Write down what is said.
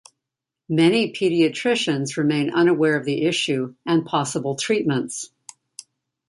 Many pediatricians remain unaware of the issue and possible treatments.